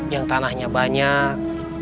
yang tanahnya banyak